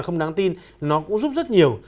không đáng tin nó cũng giúp rất nhiều